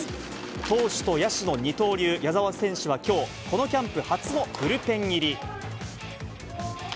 投手と野手の二刀流、矢澤選手はきょう、このキャンプ初のブルペン入り。